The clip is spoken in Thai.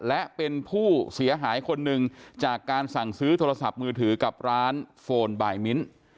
และเป็นผู้เสียหายคนหนึ่งจากการสั่งซื้อโทรศัพท์มือถือกับร้านโฟนบายมิ้น